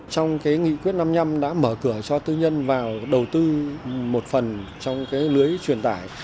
trong cái nghị quyết năm nhem đã mở cửa cho tư nhân vào đầu tư một phần trong cái lưới truyền tài